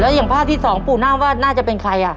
แล้วอย่างภาพที่๒ปู่น่าว่าน่าจะเป็นใคร